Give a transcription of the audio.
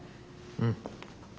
うん。